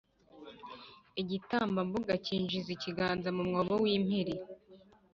igitambambuga cyinjize ikiganza mu mwobo w’impiri.